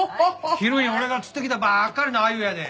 昼に俺が釣ってきたばっかりの鮎やで。